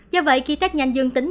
do vậy khi test nhanh dương tính